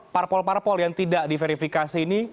parpol parpol yang tidak diverifikasi ini